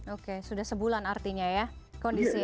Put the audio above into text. oke sudah sebulan artinya ya kondisi ini ya